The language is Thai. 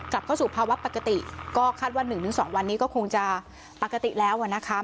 กลับเข้าสู่ภาวะปกติก็คาดว่า๑๒วันนี้ก็คงจะปกติแล้วอ่ะนะคะ